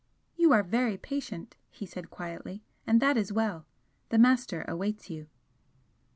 "You are very patient!" he said, quietly "And that is well! The Master awaits you."